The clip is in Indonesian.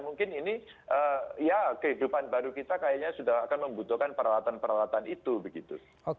mungkin ini ya kehidupan baru kita kayaknya sudah akan membutuhkan peralatan peralatan itu begitu